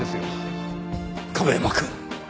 亀山くん！